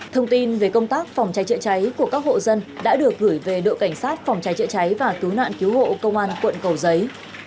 thông tin về công tác phòng cháy chữa cháy của các hộ dân đã được gửi về đội cảnh sát phòng cháy chữa cháy và cứu nạn cứu hộ công an quận cầu giấy